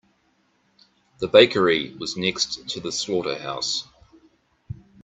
The bakery was next to the slaughterhouse.